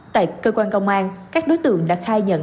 tại cơ quan công an các đối tượng đã khai nhận